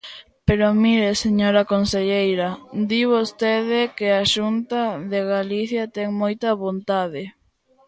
Pero, mire, señora conselleira, di vostede que a Xunta de Galicia ten moita vontade.